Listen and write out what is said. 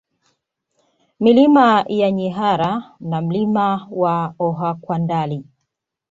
Milima ya Nyihara na Mlima wa Ohakwandali